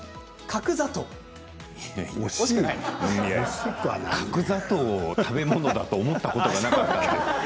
角砂糖、食べ物だと思ったことなかった。